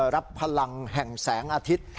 รับพลังแห่งแสงอาทิตย์